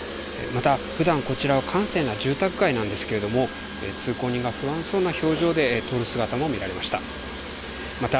またふだんこちらは閑静な住宅街なんですけれども通行人が不安そうな表情で通る姿も見られました。